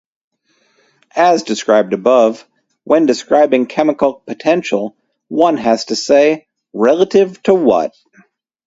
As described above, when describing chemical potential, one has to say "relative to what".